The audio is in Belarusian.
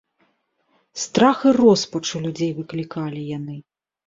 Страх і роспач у людзей выклікалі яны.